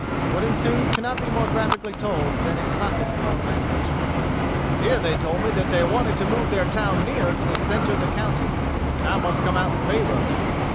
What ensued cannot be more graphically told than in Crockett's own language: "Here they told me that they wanted to move their town nearer to the centre of the county, and I must come out in favor of it.